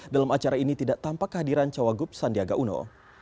dalam acara ini tidak tanpa kehadiran cowok gub sandiaga uno